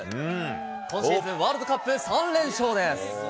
今シーズンワールドカップ３連勝です。